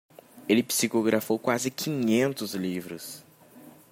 Ele psicografou quase quinhentos livros.